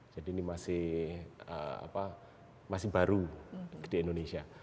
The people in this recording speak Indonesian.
jadi ini masih baru di indonesia